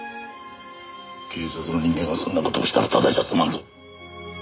警察の人間がそんな事をしたらただじゃ済まんぞ。